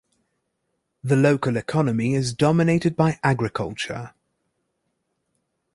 The local economy is dominated by agriculture.